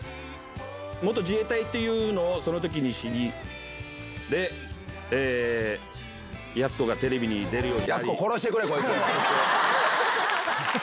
元自衛隊というのをそのときに知り、で、えー、やす子がテレビに出るように。